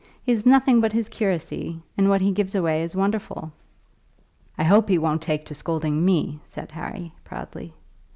He has nothing but his curacy, and what he gives away is wonderful." "I hope he won't take to scolding me," said Harry, proudly.